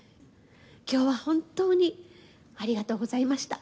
きょうは本当にありがとうございました。